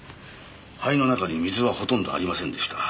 肺の中に水はほとんどありませんでした。